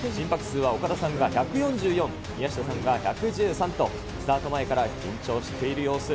心拍数は岡田さんが１４４、宮下さんが１１３と、スタート前から緊張している様子。